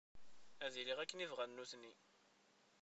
Ad iliɣ akken i bɣan nutni.